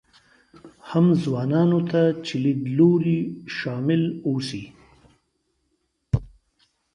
هم ځوانانو ته چې لیدلوري شامل اوسي.